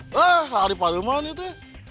wah hari pariwman tete